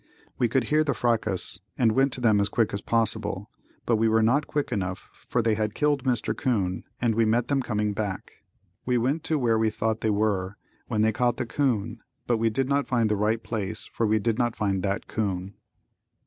We could hear the fracas and went to them as quick as possible, but we were not quick enough for they had killed Mr. 'Coon and we met them coming back. We went to where we thought they were when they caught the 'coon but we did not find the right place for we did not find that coon.